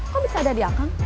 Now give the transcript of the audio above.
kok bisa ada di belakang